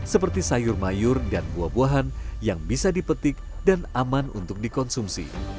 seperti sayur mayur dan buah buahan yang bisa dipetik dan aman untuk dikonsumsi